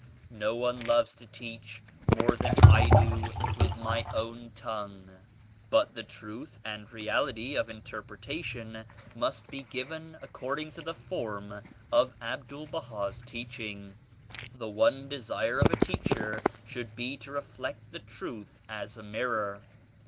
No one loves to teach more than I do with my own tongue. But the Truth and Reality of Interpretation must be given according to the form of Abdul Baha'S Teaching. The one desire of a teacher should 94 .be to reflect the Truth as a mirror.